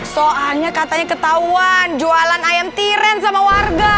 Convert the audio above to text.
soalnya katanya ketahuan jualan ayam tiren sama warga